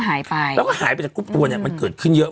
หายไปแล้วก็หายไปจากกรุ๊ปทัวเนี่ยมันเกิดขึ้นเยอะ